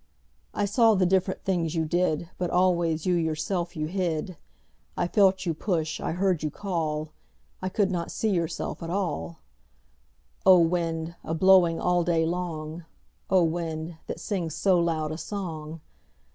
I saw the different things you did, But always you yourself you hid. I felt you push, I heard you call, I could not see yourself at all— O wind, a blowing all day long, O wind, that sings so loud a song!